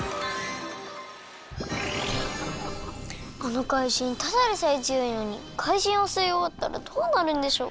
あのかいじんただでさえつよいのにかいじんをすいおわったらどうなるんでしょう？